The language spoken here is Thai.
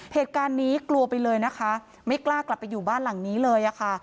เหตุการณ์นี้กลัวไปเลยนะคะไม่กล้ากลับไปอยู่บ้านหลังนี้เลยอะค่ะ